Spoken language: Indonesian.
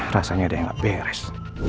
rasanya ada yang gak beres